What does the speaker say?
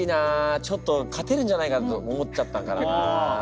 ちょっと勝てるんじゃないかと思っちゃったからな。